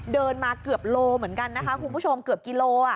เดินมาเกือบโลเหมือนกันนะคะคุณผู้ชมเกือบกิโล